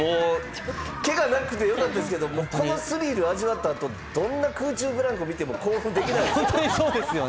けがなくてよかったですけど、このスリルを味わった後、どんな空中ブランコ見ても興奮できないと思う。